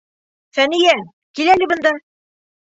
Фәниә, кил әле бында!